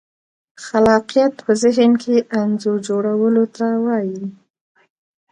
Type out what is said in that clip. خلاقیت په ذهن کې انځور جوړولو ته وایي.